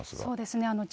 そうですね。